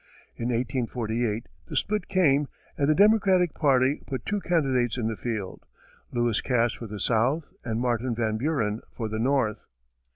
In 1848 the split came, and the Democratic party put two candidates in the field, Lewis Cass for the South, and Martin Van Buren for the North.